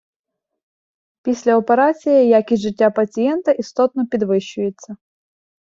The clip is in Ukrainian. Після операції якість життя пацієнта істотно підвищується.